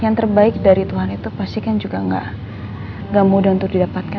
yang terbaik dari tuhan itu pastikan juga gak mudah untuk didapatkan kan